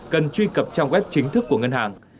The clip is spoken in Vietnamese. cần truy cập trong web chính thức của ngân hàng